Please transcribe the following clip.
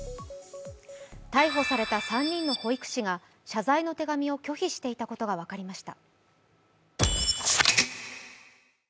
逮捕された３人の保育士が謝罪の手紙を拒否していたことが分かりました。